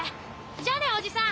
じゃあねおじさん。